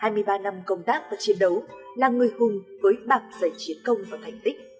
hai mươi ba năm công tác và chiến đấu là người hùng với bạc giấy chiến công và thành tích